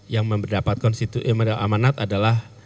yang mendapatkan amanat adalah